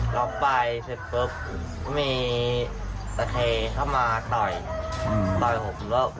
บอกว่ารถไฮร์เมื่อกดจะเป็นนาฬังล่ะ